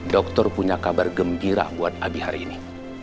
dokter punya kabar gembira buat abi hari ini